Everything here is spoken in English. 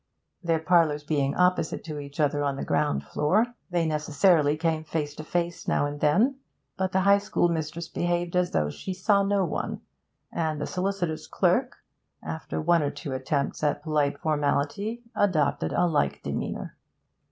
Their parlours being opposite each other on the ground floor, they necessarily came face to face now and then, but the High School mistress behaved as though she saw no one, and the solicitor's clerk, after one or two attempts at polite formality, adopted a like demeanour.